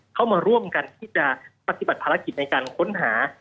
เข้ามาร่วมกันที่จะปฏิบัติภารกิจในการค้นหา